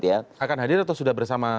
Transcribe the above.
ya akan hadir atau sudah bersama